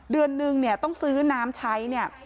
เดือนหนึ่งต้องซื้อน้ำใช้๑๒๐๐๐บาท